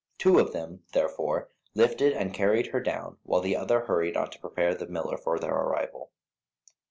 Two of them, therefore, lifted and carried her down, while the other hurried on to prepare the miller for their arrival.